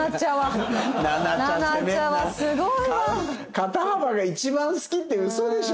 「肩幅が一番好き」って嘘でしょ？